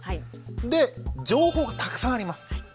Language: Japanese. で情報がたくさんあります。